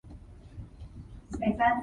And if he did anything I shouldn’t mind.